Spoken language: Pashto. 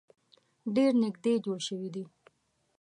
ډیر نیږدې جوړ شوي دي.